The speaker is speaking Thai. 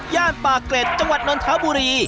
ย่านปลาเกร็ดจังหวัดนนทะบุรี